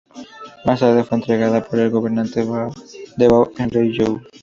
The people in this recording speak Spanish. Más tarde fue entregada por el gobernante de Bao al Rey You.